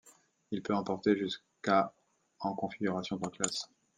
Il peut emporter jusqu'à en configuration trois classes.